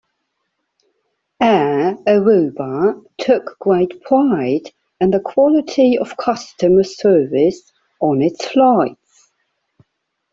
Air Aruba took great pride in the quality of customer service on its flights.